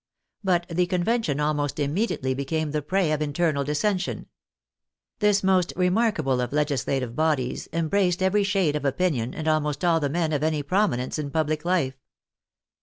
But the Conven tion almost immediately became the prey of internal dis sension. This most remarkable of legislative bodies em braced every shade of opinion and almost all the men of any prominence in public life.